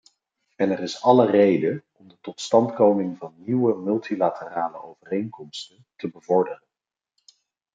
En er is alle reden om de totstandkoming van nieuwe multilaterale overeenkomsten te bevorderen.